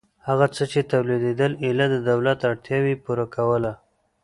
هغه څه چې تولیدېدل ایله د دولت اړتیا یې پوره کوله.